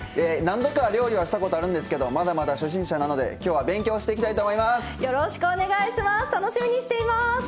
何度か料理はしたことあるんですけどまだまだ初心者なのできょうは勉強していきたいと思います。